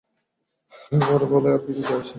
আগে বা পরে বলায় আর কী যায় আসে।